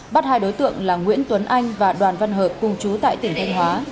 bắt hai đối tượng là nguyễn tuấn anh và đoàn văn hợp cùng chú tại tỉnh thanh hóa